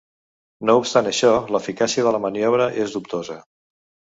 No obstant això, l’eficàcia de la maniobra és dubtosa.